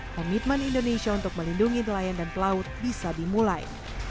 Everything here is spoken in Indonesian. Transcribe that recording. komitmen indonesia untuk melindungi nelayan dan pelaut bisa dimulai